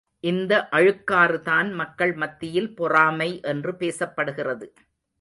இந்த அழுக்காறு தான் மக்கள் மத்தியில் பொறாமை என்று பேசப்படுகிறது.